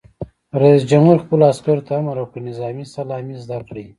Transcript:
رئیس جمهور خپلو عسکرو ته امر وکړ؛ نظامي سلامي زده کړئ!